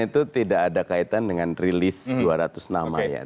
itu tidak ada kaitan dengan rilis dua ratus nama ya